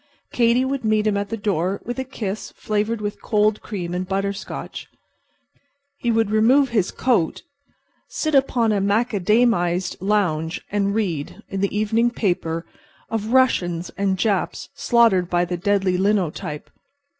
Katy would meet him at the door with a kiss flavored with cold cream and butter scotch. He would remove his coat, sit upon a macadamized lounge and read, in the evening paper, of Russians and Japs slaughtered by the deadly linotype.